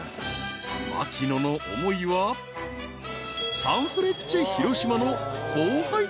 ［槙野の思いはサンフレッチェ広島の後輩たちの元へ］